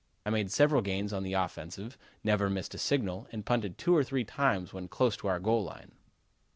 I made several gains on the offensive, never missed a signal and punted two or three times when close to our goal line."